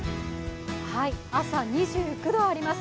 朝、２９度あります。